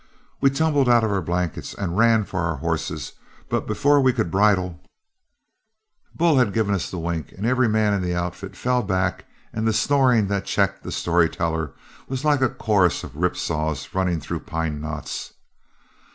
We tumbled out of our blankets and ran for our horses, but before we could bridle" Bull had given us the wink, and every man in the outfit fell back, and the snoring that checked the storyteller was like a chorus of rip saws running through pine knots.